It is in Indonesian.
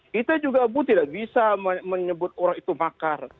kita juga bu tidak bisa menyebut orang itu makar